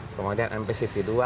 kemudian npct dua